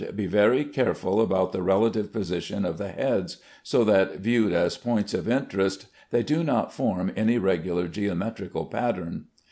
Be very careful about the relative position of the heads, so that viewed as points of interest they do not form any regular geometrical pattern.